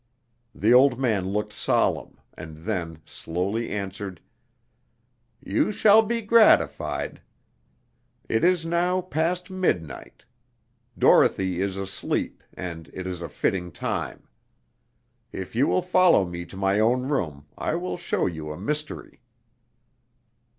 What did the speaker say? The old man looked solemn, and then slowly answered: "You shall be gratified. It is now past midnight. Dorothy is asleep, and it is a fitting time. If you will follow me to my own room, I will show you a mystery."